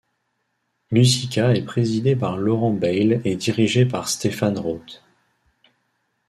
Musica est présidé par Laurent Bayle et dirigé par Stéphane Roth.